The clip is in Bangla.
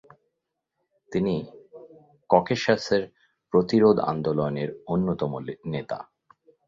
তিনি ককেশাসের প্রতিরোধ আন্দোলনের অন্যতম নেতা।